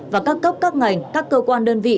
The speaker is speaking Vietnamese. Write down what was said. và các cấp các ngành các cơ quan đơn vị